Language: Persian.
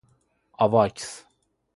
آواکس